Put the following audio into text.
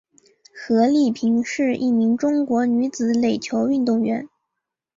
何丽萍是一名中国女子垒球运动员。